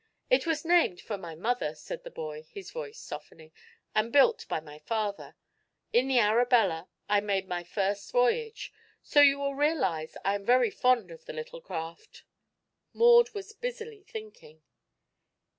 "It was named for my mother," said the boy, his voice softening, "and built by my father. In the Arabella I made my first voyage; so you will realize I am very fond of the little craft." Maud was busily thinking.